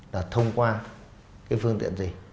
là thông qua phương tiện gì